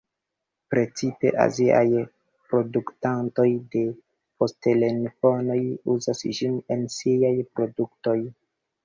Precipe aziaj produktantoj de poŝtelefonoj uzas ĝin en siaj produktoj.